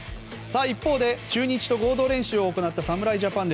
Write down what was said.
一方、中日と合同練習を行った侍ジャパン。